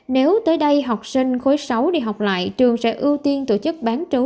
nếu tới đây học sinh khối sáu đi học lại trường sẽ ưu tiên tổ chức bán trú